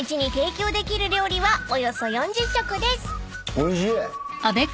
おいしい。